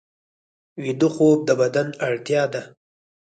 ویده خوب د بدن اړتیا ده